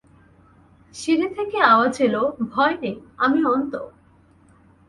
সিঁড়ি থেকে আওয়াজ এল, ভয় নেই, আমি অন্তু।